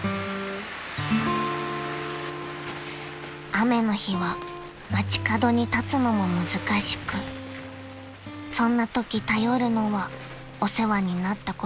［雨の日は街角に立つのも難しくそんなとき頼るのはお世話になったことのある家］